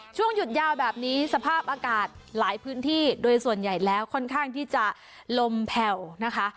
ช่วงหยุดยาวแบบนี้สภาพอากาศหลายพื้นที่โดยส่วนใหญ่แล้วค่อนข้างที่จะลมแผ่วนะคะ